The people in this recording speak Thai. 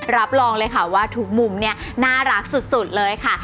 รับรองเลยค่ะว่าทุกมุมเนี่ยน่ารักสุดเลยค่ะ